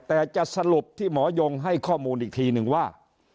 แต่จะสรุปที่หมอยงให้ข้อมูลอีกทีนึงว่า